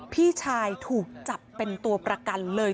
พี่ชายถูกจับเป็นตัวประกันเลย